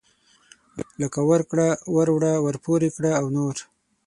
لکه ورکړه وروړه ورپورې کړه او نور.